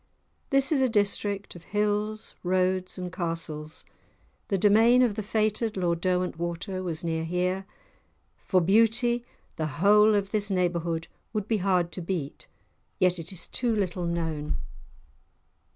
This is a district of hills, roads, and castles; the domain of the fated Lord Derwentwater was near here. For beauty the whole of this neighbourhood would be hard to beat; yet it is too little known.